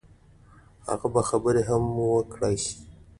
هغه به خبرې هم وکړای شي.